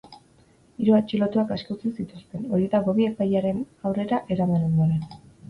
Hiru atxilotuak aske utzi zituzten, horietako bi epailearen aurrera eraman ondoren.